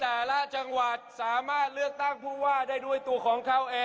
แต่ละจังหวัดสามารถเลือกตั้งผู้ว่าได้ด้วยตัวของเขาเอง